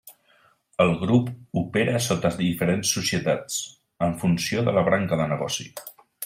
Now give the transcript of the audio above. El grup opera sota diferents societats, en funció de la branca de negoci.